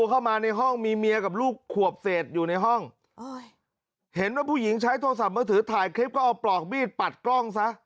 เข้ามาในห้องมีเมียกับลูกขวบเศษอยู่ในห้องเห็นว่าผู้หญิงใช้โทรศัพท์มือถือถ่ายคลิปก็เอาปลอกมีดปัดกล้องซะ